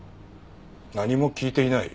何も聞いていない？